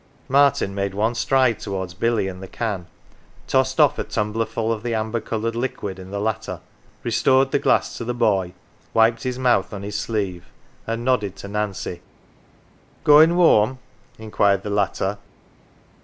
Martin made one stride towards Billy and the can, tossed oft' a tumblerful of the amber coloured liquid in the latter, restored the glass to the boy, wiped his mouth on his sleeve, and nodded to Nancy. " Goin' whoam ?" inquired the latter.